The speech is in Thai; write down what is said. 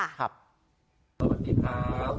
สวัสดีครับสวัสดีค่ะ